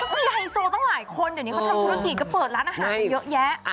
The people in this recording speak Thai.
คุณไฮโซตั้งหลายคนเดี๋ยวนี้เขาทำธุรกิจก็เปิดร้านอาหารเยอะแยะ